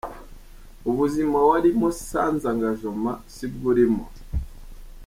Ubuzima warimo “sans engagement” sibwo urimo.